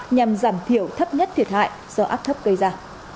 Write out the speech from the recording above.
nhằm giảm thiểu thấp nhất thiệt hại do áp thấp gây ra